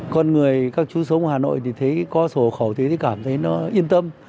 con người các chú sống ở hà nội thì thấy có sổ khẩu thế thì cảm thấy nó yên tâm